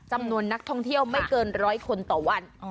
จำนวนนักท่องเที่ยวไม่เกินร้อยคนต่อวัน